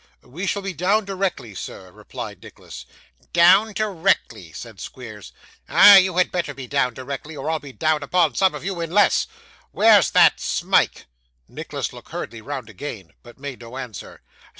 'We shall be down directly, sir,' replied Nicholas. 'Down directly!' said Squeers. 'Ah! you had better be down directly, or I'll be down upon some of you in less. Where's that Smike?' Nicholas looked hurriedly round again, but made no answer.